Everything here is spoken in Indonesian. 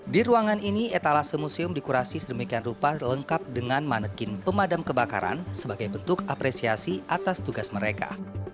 di ruangan ini etalase museum dikurasi sedemikian rupa lengkap dengan manekin pemadam kebakaran sebagai bentuk apresiasi atas tugas mereka